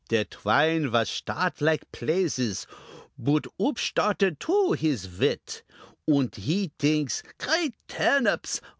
Der Twine vas shtart like plazes; Boot oopshtarted too his wit, Und he dinks, "Great Turnips!